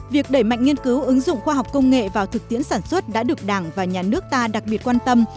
việc đẩy mạnh nghiên cứu ứng dụng khoa học công nghệ vào thực tiễn sản xuất đã được đảng và nhà nước ta đặc biệt quan tâm